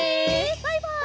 バイバイ！